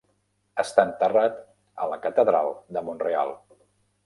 Està enterrat a la catedral de Mont-real.